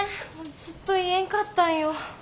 ずっと言えんかったんよ。